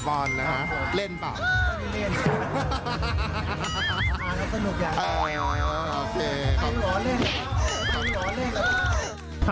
ทำหัวเล่นทำหัวเล่น